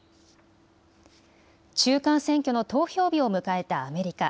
中間選挙の投票日を迎えたアメリカ。